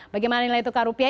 bagaimana nilai tukar rupiah